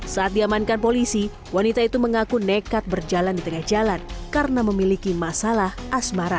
saat diamankan polisi wanita itu mengaku nekat berjalan di tengah jalan karena memiliki masalah asmara